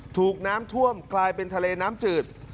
ถูกน้ำท่วมกลายเป็นทะเลน้ำจืด